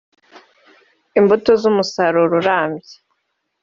imbuto z’umusaruro urambye”